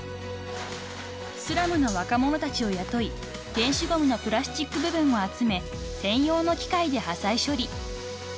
［スラムの若者たちを雇い電子ごみのプラスチック部分を集め専用の機械で破砕処理］